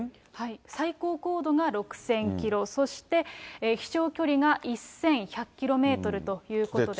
最高高度が６０００キロ、そして飛しょう距離が１１００キロメートルということで。